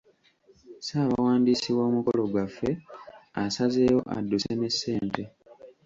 Ssaabawandiisi w’omukolo gwaffe asazeewo adduse ne ssente.